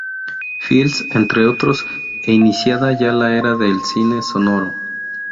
Fields, entre otros, e iniciada ya la era del cine sonoro.